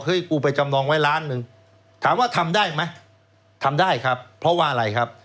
กูไปจำนองไว้ล้านหนึ่งถามว่าทำได้ไหมทำได้ครับเพราะว่าอะไรครับ